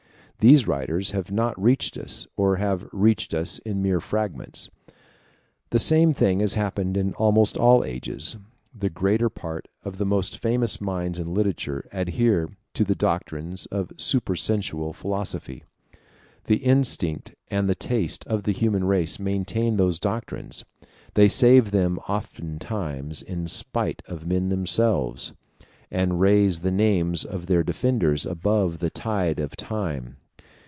These writers have not reached us, or have reached us in mere fragments. The same thing has happened in almost all ages; the greater part of the most famous minds in literature adhere to the doctrines of a supersensual philosophy. The instinct and the taste of the human race maintain those doctrines; they save them oftentimes in spite of men themselves, and raise the names of their defenders above the tide of time.